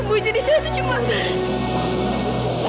bu jadi saya tuh cuma kan